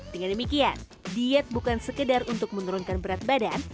dengan demikian diet bukan sekedar untuk menurunkan berat badan